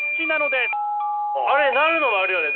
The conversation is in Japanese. あれ鳴るのもあるよね。